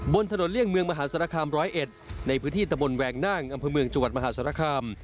บนถนนเลี่ยงเมืองมหาศาลคาม๑๐๑ในพื้นที่ตะบนแวงนั่งอำเภอเมืองจังหวัดมหาศาลคาม